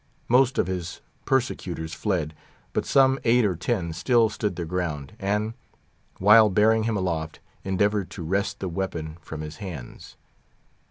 Most of his persecutors fled; but some eight or ten still stood their ground, and, while bearing him aloft, endeavoured to wrest the weapon from his hands.